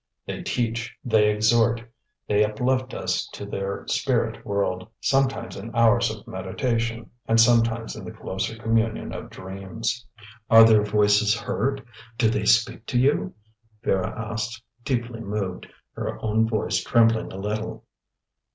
They teach, they exhort, they uplift us to their spirit world, sometimes in hours of meditation, and sometimes in the closer communion of dreams." "Are their voices heard do they speak to you?" Vera asked, deeply moved, her own voice trembling a little.